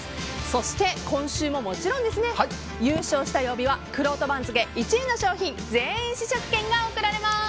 そして、今週ももちろん優勝した曜日はくろうと番付１位の商品全員試食券が贈られます。